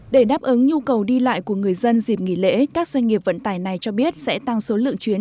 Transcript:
để đáp ứng nhu cầu đi lại của người dân dịp nghỉ lễ các doanh nghiệp vận tải này cho biết sẽ tăng số lượng chuyến